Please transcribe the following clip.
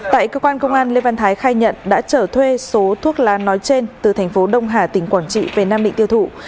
tại cơ quan công an lê văn thái khai nhận đã trở thuê số thuốc lá nói trên từ thành phố đông hà tỉnh quảng trị về nam định tiêu thụ